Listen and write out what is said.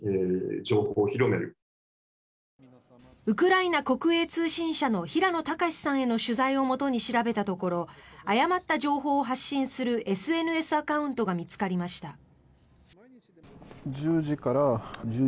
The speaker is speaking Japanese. ウクライナ国営通信社の平野高志さんへの取材をもとに調べたところ誤った情報を発信するＳＮＳアカウントが見つかりました。